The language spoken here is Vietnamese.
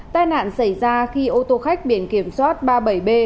tai nạn xảy ra khi ô tô khách biển kiểm soát ba mươi bảy b